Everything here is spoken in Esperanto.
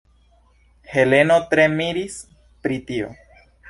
Heleno tre miris pri tio.